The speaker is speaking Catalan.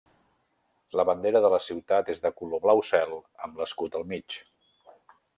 La bandera de la ciutat és de color blau cel amb l'escut al mig.